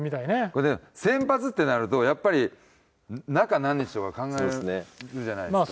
先発ってなるとやっぱり中何日とか考えるじゃないですか。